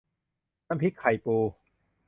น้ำพริกไข่ปู